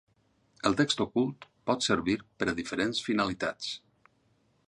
El text ocult pot servir per a diferents finalitats.